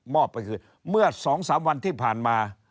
อบไปคือเมื่อ๒๓วันที่ผ่านมา